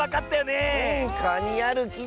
ねえかにあるき。